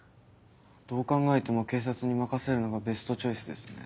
どう考えても警察に任せるのがベストチョイスですね。